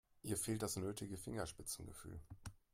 Ihr fehlt das nötige Fingerspitzengefühl.